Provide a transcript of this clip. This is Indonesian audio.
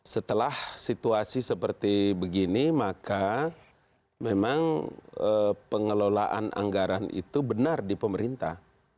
setelah situasi seperti begini maka memang pengelolaan anggaran itu benar di pemerintah